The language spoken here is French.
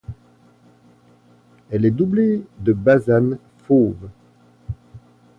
Elle est doublée de basane fauve.